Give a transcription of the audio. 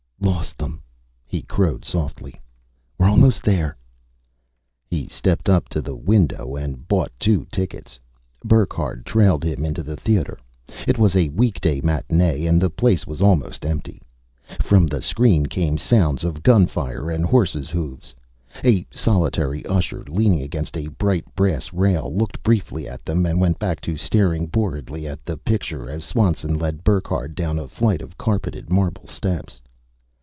"Lost them!" he crowed softly. "We're almost there." He stepped up to the window and bought two tickets. Burckhardt trailed him in to the theater. It was a weekday matinee and the place was almost empty. From the screen came sounds of gunfire and horse's hoofs. A solitary usher, leaning against a bright brass rail, looked briefly at them and went back to staring boredly at the picture as Swanson led Burckhardt down a flight of carpeted marble steps.